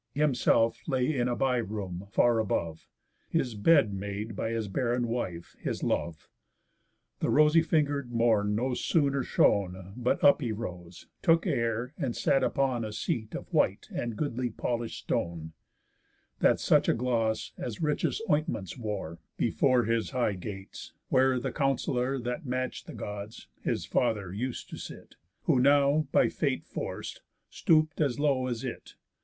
Himself lay in a by room, far above, His bed made by his barren wife, his love. The rosy finger'd Morn no sooner shone, But up he rose, took air, and sat upon A seat of white and goodly polish'd stone, That such a gloss as richest ointments wore, Before his high gates; where the counsellor That match'd the Gods (his father) us'd to sit, Who now, by fate forc'd, stoop'd as low as it.